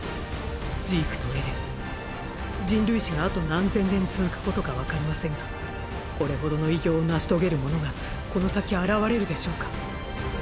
ジークとエレン人類史があと何千年続くことかわかりませんがこれほどの偉業を成し遂げる者がこの先現れるでしょうか？